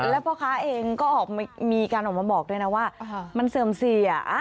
แล้วพ่อค้าเองก็มีการออกมาบอกด้วยนะว่ามันเสื่อมเสีย